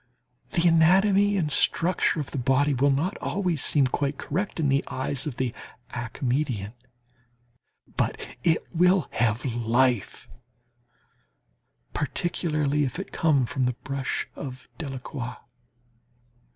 The anatomy and structure of the body will not always seem quite correct in the eyes of the academician. But it will have life, particularly if it come from the brush of Delacroix.